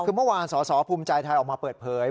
คือเมื่อวานสสภูมิใจไทยออกมาเปิดเผย